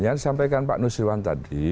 yang disampaikan pak nusirwan tadi